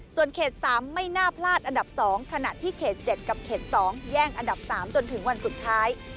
ส่วนเขต๓ไม่น่าพลาดอันดับ๒ขณะที่เขต๗กับเขต๒แย่งอันดับ๓จนถึงวันสุดท้าย